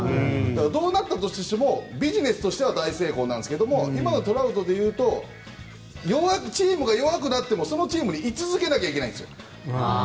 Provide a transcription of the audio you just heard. どうなったとしてもビジネスとしては大成功なんですが今のトラウトでいうとチームが弱くなってもそのチームに居続けないといけないんですよ。